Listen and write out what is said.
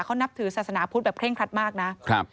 เขานับถือศาสนาพุทธแบบเร่งครัดมากนะครับ